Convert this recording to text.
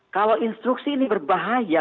kalau instruksi ini berbahaya